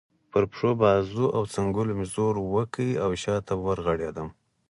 پر پښو، بازو او څنګلو مې زور وکړ او شا ته ورغړېدم.